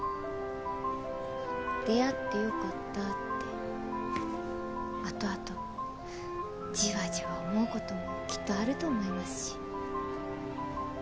出会って良かったってあとあとじわじわ思うこともきっとあると思いますし。